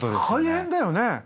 大変だよね。